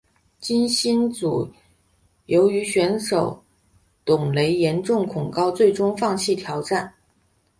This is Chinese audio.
金星组由于选手董蕾严重恐高最终放弃挑战。